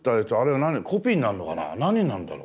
何になるんだろう？